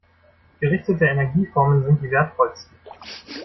Gerichtete Energieformen sind die wertvollsten.